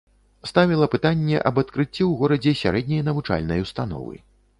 Ставіла пытанне аб адкрыцці ў горадзе сярэдняй навучальнай установы.